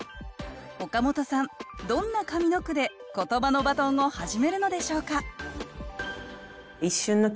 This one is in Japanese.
岡本さんどんな上の句でことばのバトンを始めるのでしょうか？